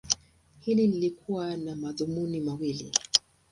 Hili lilikuwa na madhumuni mawili.